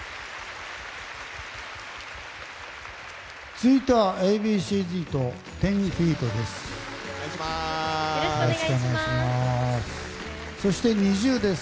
続いてはＡ．Ｂ．Ｃ‐Ｚと１０‐ＦＥＥＴです。